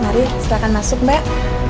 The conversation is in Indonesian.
mari silahkan masuk mbak